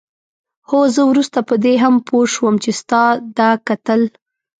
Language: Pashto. هو زه وروسته په دې هم پوه شوم چې ستا دا کتل.